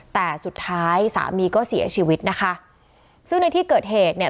แต่สุดท้ายสามีก็เสียชีวิตนะคะซึ่งในที่เกิดเหตุเนี่ย